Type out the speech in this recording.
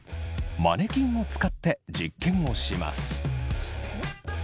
マネキンを使って実験をします。